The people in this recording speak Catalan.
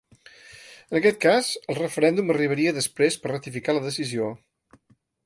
En aquest cas, el referèndum arribaria després per ratificar la decisió.